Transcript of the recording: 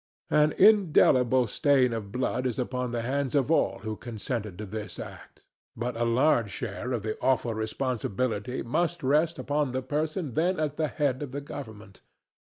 An indelible stain of blood is upon the hands of all who consented to this act, but a large share of the awful responsibility must rest upon the person then at the head of the government.